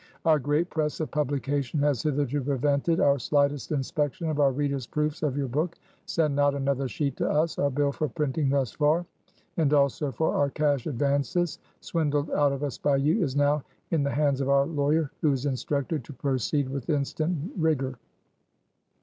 Our great press of publication has hitherto prevented our slightest inspection of our reader's proofs of your book. Send not another sheet to us. Our bill for printing thus far, and also for our cash advances, swindled out of us by you, is now in the hands of our lawyer, who is instructed to proceed with instant rigor.